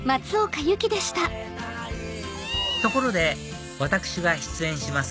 ところで私が出演します